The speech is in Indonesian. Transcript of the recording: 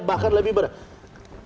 bahkan lebih berbahaya